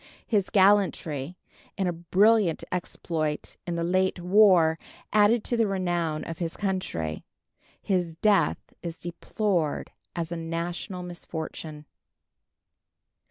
His gallantry in a brilliant exploit in the late war added to the renown of his country. His death is deplored as a national misfortune.